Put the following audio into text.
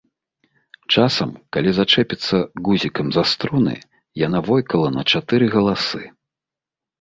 Часам, калі зачэпіцца гузікам за струны, яна войкала на чатыры галасы.